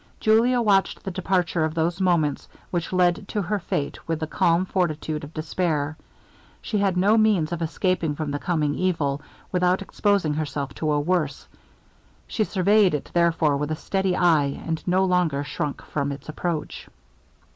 Julia watched the departure of those moments which led to her fate with the calm fortitude of despair. She had no means of escaping from the coming evil, without exposing herself to a worse; she surveyed it therefore with a steady eye, and no longer shrunk from its approach.